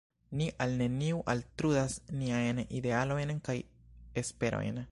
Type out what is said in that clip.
Ni al neniu altrudas niajn idealoin kaj esperojn.